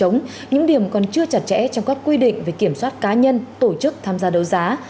những điểm còn chưa chặt chẽ trong các quy định về kiểm soát cá nhân tổ chức tham gia đấu giá